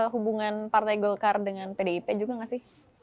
hubungan partai golkar dengan pdip juga nggak sih